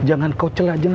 apaan kamu kenapa dihidupkan